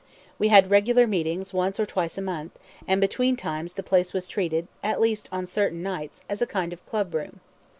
We had regular meetings once or twice a month, and between times the place was treated, at least on certain nights, as a kind of club room.